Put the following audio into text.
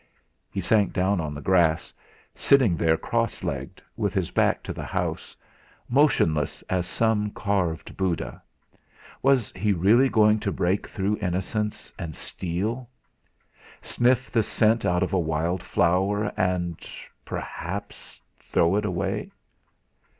He sank down on the grass, sitting there cross legged, with his back to the house, motionless as some carved Buddha. Was he really going to break through innocence, and steal? Sniff the scent out of a wild flower, and perhaps throw it away?